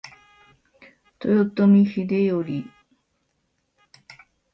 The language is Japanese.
豊臣秀頼